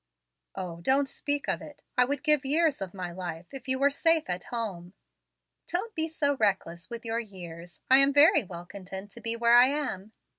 "O, don't speak of it! I would give years of my life if you were safe at home." "Don't be so reckless with your years. I am very well content to be where I am."